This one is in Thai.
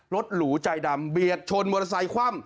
รถหลู่ใจดำเบียดโชนมอเตอร์ไซคว่ำ